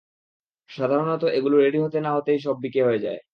সাধারণত এগুলো রেডি হতে না হতেই সব বিকে যায়।